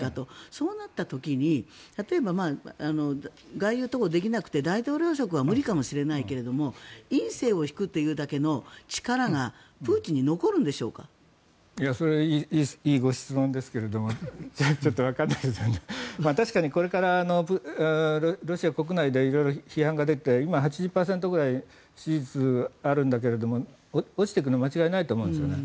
そうなった時に例えば、外遊とかできなくて大統領職は無理かもしれないけど院政を敷くというだけの力がそれはいいご質問ですがちょっとわからないんですが確かにこれからロシア国内で色々批判が出て今、８０％くらい支持率があるんだけど落ちていくのは間違いないと思うんです。